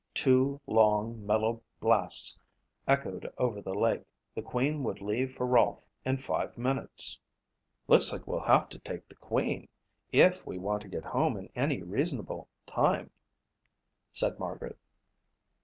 Two long, mellow blasts echoed over the lake. The Queen would leave for Rolfe in five minutes. "Looks like we'll have to take the Queen if we want to get home in any reasonable time," said Margaret.